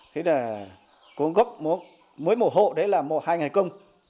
thế là cố gốc mỗi mổ hộ đấy là mổ hai ngày công